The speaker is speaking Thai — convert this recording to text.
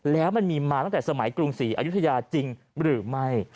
แล้วมันมีมาตั้งแต่สมัยกรุงศรีอายุทยาจริงหรือไม่